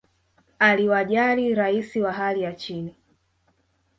aliwajali rais wa hali ya chini